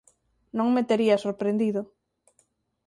non me tería sorprendido.